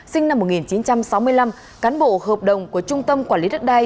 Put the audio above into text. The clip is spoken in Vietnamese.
sinh năm một nghìn chín trăm sáu mươi năm cán bộ hợp đồng của trung tâm quản lý đất đai